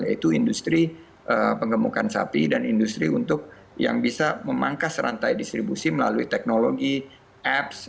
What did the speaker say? yaitu industri pengemukan sapi dan industri untuk yang bisa memangkas rantai distribusi melalui teknologi apps